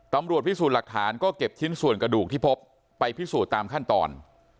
ตำรวจพิสูจน์หลักฐานก็เก็บชิ้นส่วนกระดูกที่พบไปพิสูจน์ตามขั้นตอน